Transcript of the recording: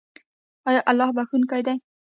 آیا الله بخښونکی دی؟